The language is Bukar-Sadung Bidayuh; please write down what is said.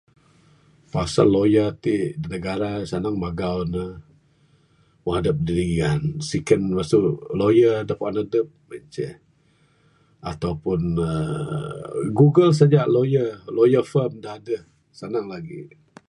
Pasal lawyer ti da negara sanang magau ne. Wang adeh dingan siken masu lawyer da puan adep mung en ce ato pun uhh google saja lawyer lawyer firm da adeh sanang lagi.